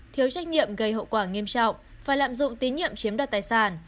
thiếu trách nhiệm gây hậu quả nghiêm trọng và lạm dụng tín nhiệm chiếm đoạt tài sản